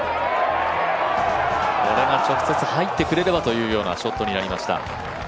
これが直接入ってくれればというショットになりました。